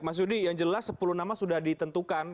mas yudi yang jelas sepuluh nama sudah ditentukan